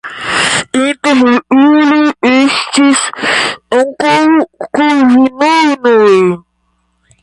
Inter ili estis ankaŭ kalvinanoj.